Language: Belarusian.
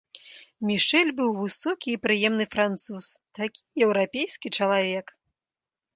Мішэль быў высокі і прыемны француз, такі еўрапейскі чалавек.